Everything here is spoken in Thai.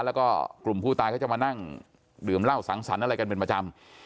แล้วก็กลุ่มผู้ตายเขาจะมานั่งดื่มเหล้าสังสรรค์อะไรกันเป็นประจำ